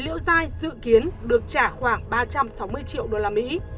hai mươi chín liễu dai dự kiến được trả khoảng ba trăm sáu mươi triệu đô la mỹ